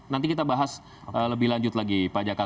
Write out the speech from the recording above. nanti kita bahas lebih lanjut lagi pak jaka